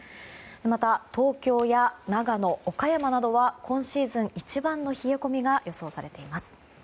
また、東京や長野、岡山などは今シーズン一番の冷え込みが予想されています。